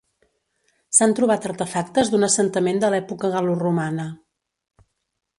S'han trobat artefactes d'un assentament de l'època gal·loromana.